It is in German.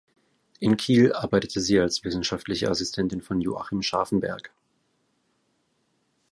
In Kiel arbeitete sie als wissenschaftliche Assistentin von Joachim Scharfenberg.